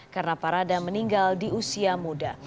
karena parada meninggal di usia muda